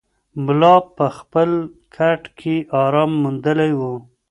ملا په خپل کټ کې ارام موندلی و.